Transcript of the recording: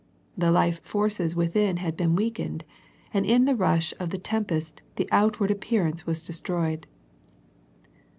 The life forces within had been weakened, and in the rush of the tempest the outward appear ance was destroyed.